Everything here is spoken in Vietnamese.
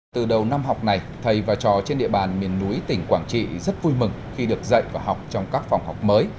từ đầu năm học này thầy và trò trên địa bàn miền núi tỉnh quảng trị rất vui mừng khi được dạy và học trong các phòng học mới